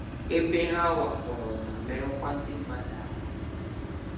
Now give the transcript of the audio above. ebe ha wakporo ma merụkwa ndị mmadụ ahụ